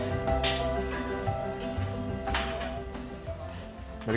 sebenarnya makanan ini diperlukan untuk membuat kekuatan jari